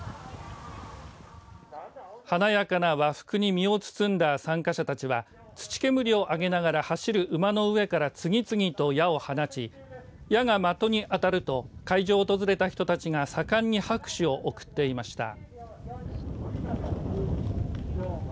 華やかな和服に身を包んだ参加者たちは土煙を上げながら走る馬の上から次々と矢を放ち矢が的に当たると会場を訪れた人たちが盛んに拍手を送っていました。